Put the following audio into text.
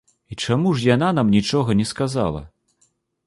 І чаму ж яна нам нічога не сказала?